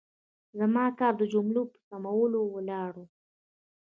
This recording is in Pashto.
زما کار د جملو په سمولو ولاړ و.